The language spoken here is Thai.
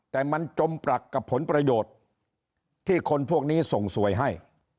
แต่มันจมปรักกับผลประโยชน์ที่คนพวกนี้ส่งสวยให้